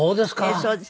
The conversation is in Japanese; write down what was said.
そうです。